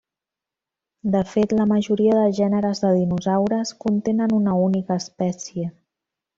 De fet, la majoria de gèneres de dinosaures contenen una única espècie.